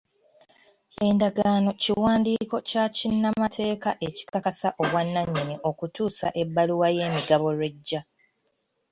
Endagaano kiwandiiko kya kinnamateeka ekikakasa obwa nannyini okutuusa ebbaluwa y'emigabo lw'ejja.